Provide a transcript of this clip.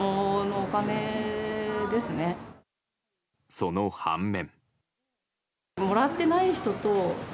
その半面。